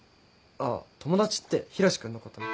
あっ友達って浩志君のことね。